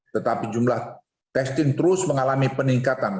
tetapi jumlah testing terus mengalami peningkatan